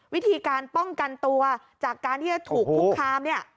วิธีการป้องกันตัวจากการที่จะถูกคุกคามเนี่ย